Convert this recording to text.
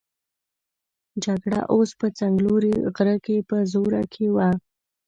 جګړه اوس په څنګلوري غره کې په زور کې وه.